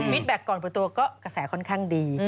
แบ็คก่อนเปิดตัวก็กระแสค่อนข้างดี